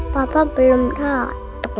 papa belum dateng